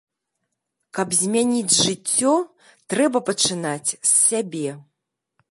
Каб змяніць жыццё, трэба пачынаць з сябе.